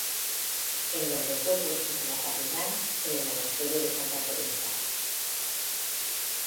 En donde fue puesto como capellán en el Monasterio de Santa Teresa.